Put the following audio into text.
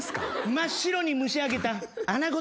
真っ白に蒸し上げた穴子